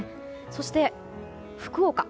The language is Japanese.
そして、福岡